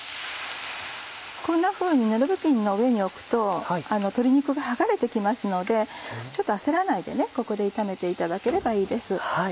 こんなふうにぬれ布巾の上に置くと鶏肉が剥がれてきますのでちょっと焦らないでここで炒めていただければいいです。